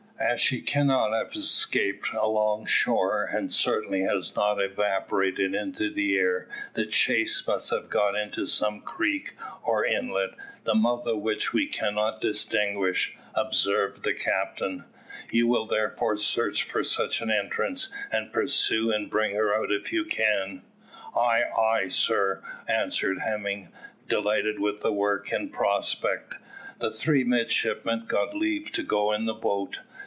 "As she cannot have escaped along shore, and certainly has not evaporated into the air, the chase must have got into some creek or inlet, the mouth of which we cannot distinguish," observed the captain. "You will therefore search for such an entrance, and pursue, and bring her out if you can." "Ay, ay, sir!" answered Hemming, delighted with the work in prospect. The three midshipmen got leave to go in the boat.